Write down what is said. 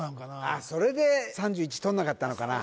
あっそれで３１取んなかったのかな